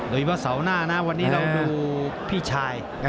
หูว่าเสาหน้านี่เรามันดูพี่ชาย